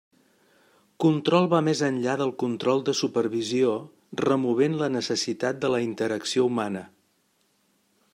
Control va més enllà del control de supervisió removent la necessitat de la interacció humana.